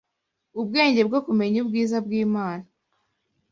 ubwenge bwo kumenya ubwiza bw’Imana